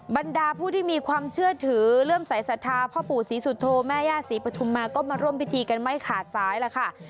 บรรดาผู้ที่มีความเชื่อถือเลื่อมสายศรัทธาพ่อปู่ศรีสุโธแม่ย่าศรีปฐุมมาก็มาร่วมพิธีกันไม่ขาดสายแล้วค่ะ